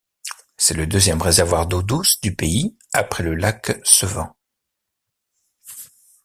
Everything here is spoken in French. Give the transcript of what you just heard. C'est le deuxième réservoir d'eau douce du pays après le lac Sevan.